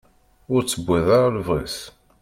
Ur tewwiḍ ara lebɣi-s.